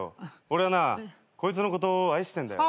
俺はこいつのこと愛してんだよ。